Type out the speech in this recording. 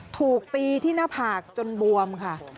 ถูกตีที่หน้าผากจนบวมค่ะ